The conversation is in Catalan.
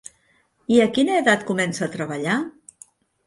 I a quina edat comença a treballar?